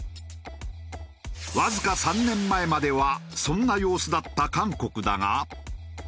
わずか３年前まではそんな様子だった韓国だが。